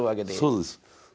そうです。